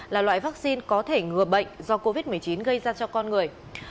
là loại vaccine có thể ngừa bệnh do covid một mươi chín gây ra cho con người